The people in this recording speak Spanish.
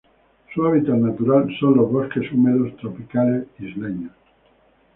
Su hábitat natural son los bosques húmedos tropicales isleños.